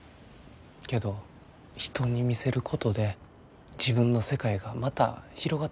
けど人に見せることで自分の世界がまた広がってくんですよね。